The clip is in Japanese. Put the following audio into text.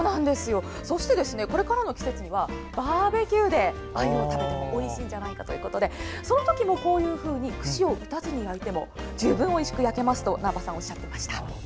そしてこれからの季節にはバーベキューでアユを食べてもおいしいんじゃないかということでその時も串を打たずに焼いても十分おいしく焼けますと難波さん、おっしゃっていました。